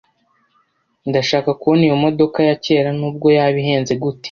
Ndashaka kubona iyo modoka ya kera nubwo yaba ihenze gute.